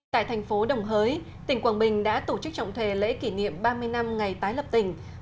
tại thành phố đồng hới tỉnh quảng bình đã tổ chức trọng thề lễ kỷ niệm ba mươi năm ngày tái lập tỉnh